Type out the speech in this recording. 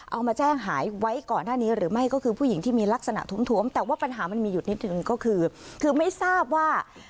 เอามาแจ้งหายไว้ก่อนหน้านี้หรือไม่ก็คือผู้หญิงที่มีลักษณะถ้วมแต่ว่าปัญหามันมีอยู่นิดหนึ่งก็คือคือไม่ทราบว่า